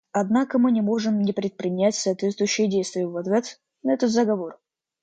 Однако мы не можем не предпринять соответствующие действия в ответ на этот заговор.